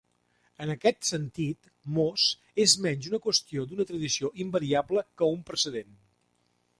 En aquest sentit, "mos" és menys una qüestió d'una tradició invariable que un precedent.